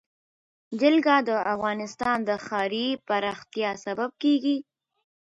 جلګه د افغانستان د ښاري پراختیا سبب کېږي.